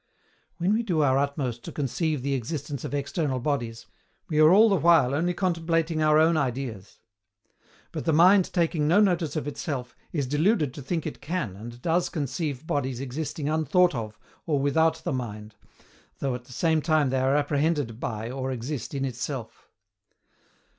When we do our utmost to conceive the existence of external bodies, we are all the while only contemplating our own ideas. But the mind taking no notice of itself, is deluded to think it can and does conceive bodies existing unthought of or without the mind, though at the same time they are apprehended by or exist in itself.